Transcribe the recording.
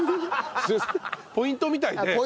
ポイントみたいで。